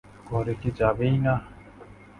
ঘরে কি যাবেই না?